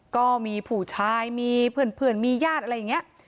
ก็มีผู้ชายมีเพื่อนมีญาติอะไรอย่างนี้